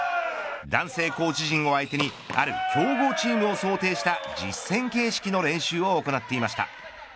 男性コーチ陣を相手に、ある強豪チームを想定した実戦形式の練習を行っていました。